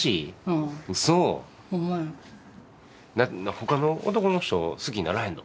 ほかの男の人好きにならへんの？